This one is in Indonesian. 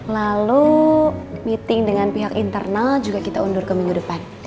lalu meeting dengan pihak internal juga kita undur ke minggu depan